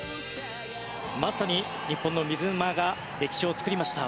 まさに、日本の水沼が歴史を作りました。